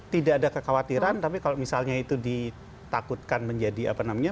tidak ada kekhawatiran tapi kalau misalnya itu ditakutkan menjadi apa namanya